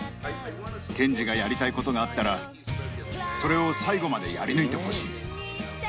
剣侍がやりたいことがあったら、それを最後までやり抜いてほしい。